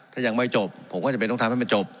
ถ้ายังไม่จบผมก็จำเป็นต้องทำให้มันจบ